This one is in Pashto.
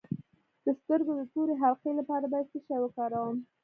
د سترګو د تورې حلقې لپاره باید څه شی وکاروم؟